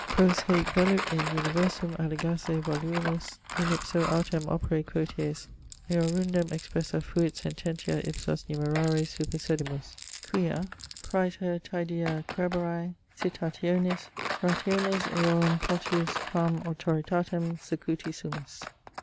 Quos heic velut in universum allegasse voluimus, in ipso autem opere quoties eorundem expressa fuit sententia ipsos numerare supersedimus, quia, praeter taedia crebrae citationis, rationes eorum potius quam autoritatem secuti sumus.